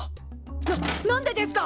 ななんでですか！？